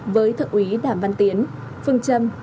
với thượng úy đàm văn tiến phương trâm